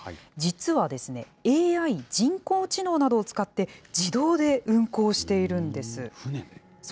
実はですね、ＡＩ・人工知能などを使って、自動で運航しているんです。